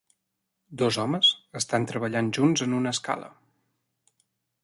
Dos homes estan treballant junts en una escala.